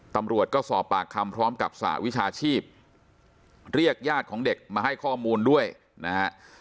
ตำรวจก็สอบปากคำพร้อมกับสหวิชาชีพเรียกญาติของเด็กมาให้ข้อมูลด้วยนะฮะ